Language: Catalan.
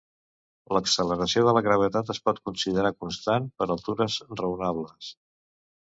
L'acceleració de la gravetat es pot considerar constant per altures raonables.